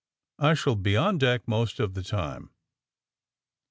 I shall be on deck most of the time."